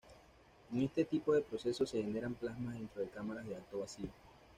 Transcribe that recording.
En este tipo de procesos se generan plasmas dentro de cámaras de alto vacío.